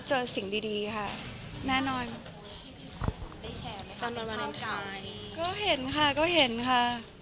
รู้สึกยังไงหรอคะ